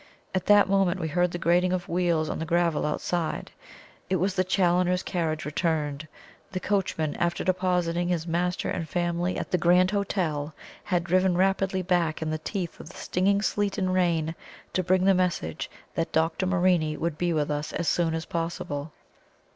At that moment we heard the grating of wheels on the gravel outside; it was the Challoners' carriage returned. The coachman, after depositing his master and family at the Grand Hotel, had driven rapidly back in the teeth of the stinging sleet and rain to bring the message that Dr. Morini would be with us as soon as possible.